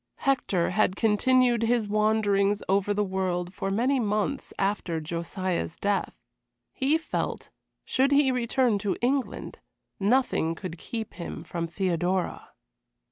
Hector had continued his wanderings over the world for many months after Josiah's death. He felt, should he return to England, nothing could keep him from Theodora.